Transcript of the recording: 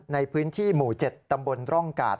ในพื้นที่หมู่๗ตำบลร่องกาด